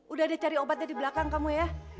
udah dia cari obatnya di belakang kamu ya